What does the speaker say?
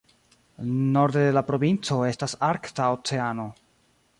Norde de la provinco estas Arkta Oceano.